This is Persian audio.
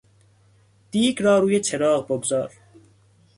دیگ را روی چراغ بگذار.